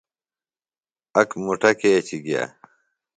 اک مُٹہ کیچیۡ گیہ